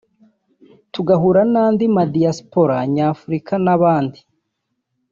tugahura n’andi ma Diaspora Nyafurika n’abandi